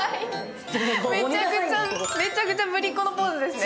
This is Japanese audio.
めちゃくちゃ、ぶりっこのポーズですね。